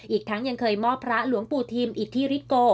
อีกทั้งยังเคยมอบพระหลวงปู่ทิมอิทธิฤทโก